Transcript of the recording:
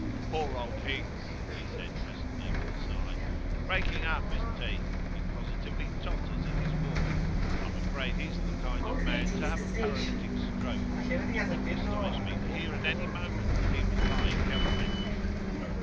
'Poor old Hinks!' he said presently, with a sigh. 'Breaking up, isn't he? He positively totters in his walk. I'm afraid he's the kind of man to have a paralytic stroke; it wouldn't astonish me to hear at any moment that he was lying helpless.